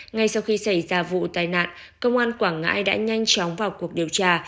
ngay sau khi xảy ra vụ tai nạn công an quảng ngãi đã nhanh chóng vào cuộc điều tra